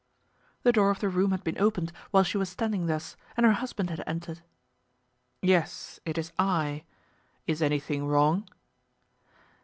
The door of the room had been opened while she was standing thus, and her husband had entered. "Yes, it is I. Is anything wrong?"